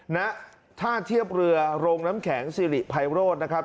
ณท่าเทียบเรือโรงน้ำแข็งสิริภัยโรธนะครับ